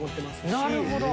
なるほど。